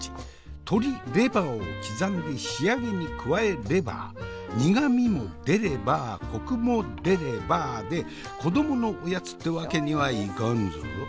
鶏レバーを刻んで仕上げに加えレバー苦みも出レバーコクも出レバーで子どものおやつってわけにはいカンゾー！